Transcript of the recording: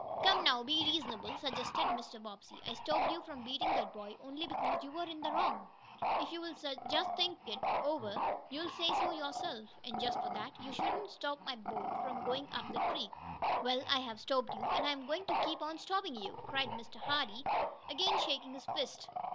"Come now, be reasonable," suggested Mr. Bobbsey. "I stopped you from beating that boy only because you were in the wrong. If you'll just think it over, you'll say so yourself. And, just for that, you shouldn't stop my boat from going up the creek." "Well, I have stopped you, and I'm going to keep on stoppin' you!" cried Mr. Hardee, again shaking his fist.